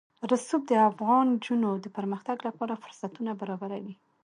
رسوب د افغان نجونو د پرمختګ لپاره فرصتونه برابروي.